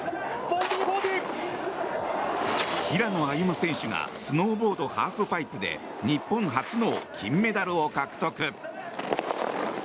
平野歩夢選手がスノーボードハーフパイプで日本初の金メダルを獲得。